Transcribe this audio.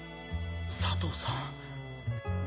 佐藤さん